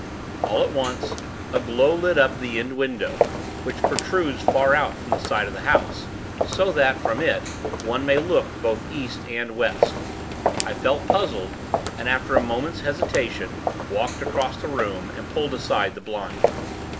All at once, a glow lit up the end window, which protrudes far out from the side of the house, so that, from it, one may look both East and West. I felt puzzled, and, after a moment's hesitation, walked across the room, and pulled aside the blind.